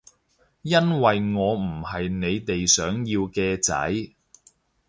因為我唔係你哋想要嘅仔